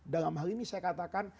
dalam hal ini saya katakan